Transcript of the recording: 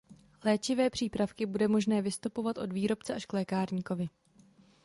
Léčivé přípravky bude možné vystopovat od výrobce až k lékárníkovi.